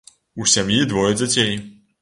У сям'і двое дзяцей.